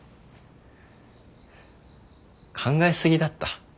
考え過ぎだった。